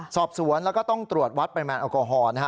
สอบสวนแล้วก็ต้องตรวจวัดไปแม่งอลโกฮอลนะฮะ